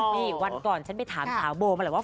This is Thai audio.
นี่วันก่อนฉันไปถามสาวโบมาแหละว่า